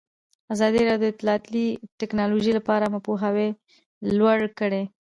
ازادي راډیو د اطلاعاتی تکنالوژي لپاره عامه پوهاوي لوړ کړی.